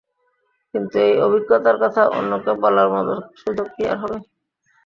কিন্তু এই অভিজ্ঞতার কথা অন্যকে বলার মতো সুযোগ কি আর হবে?